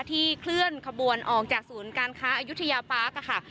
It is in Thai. เคลื่อนขบวนออกจากศูนย์การค้าอายุทยาปาร์คค่ะ